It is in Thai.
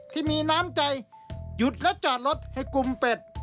ที่มีน้ำใจหยุดแล้วจอดรถให้กลุ่มเป็ด